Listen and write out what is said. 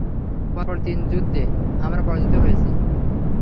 পরপর তিন যুদ্ধে আমরা পরাজিত হয়েছি।